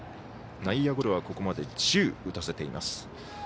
内野ゴロはここまで１０打たせています。